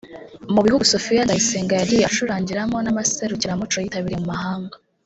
Mu bihugu Sophia Nzayisenga yagiye acurangiramo n’amaserukiramuco yitabiriye mu mahanga